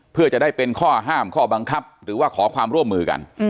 เพื่อจะได้เป็นข้อห้ามข้อบังคับหรือว่าขอความร่วมมือกัน